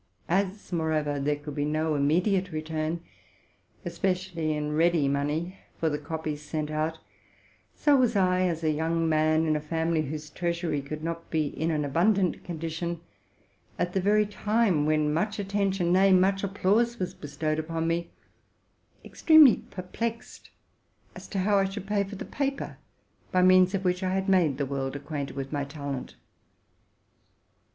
As, moreover, there could be no immediate return, especially in ready money, for the copies sent out, so was I, as a young man in a family whose treasury could not be in an abundant condition, at the very time when much attention, nay, much applause, was bestowed upon me, extremely perplexed as to how I should pay for the paper by means of which I had made the world acquainted with my talent.